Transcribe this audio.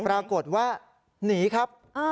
ปรากฏว่าหนีครับ